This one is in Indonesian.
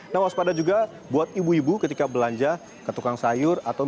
nah waspada juga buat ibu ibu ketika belanja ke tukang sayur